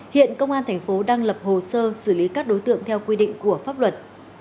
hiện công an tp đang lập hồ sơ xử lý các đối tượng theo quy định của pháp luật